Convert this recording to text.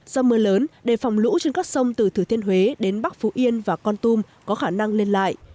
do mưa lớn đề phòng lũ trên các sông từ thừa thiên huế đến bắc phú yên và con tum có khả năng lên lại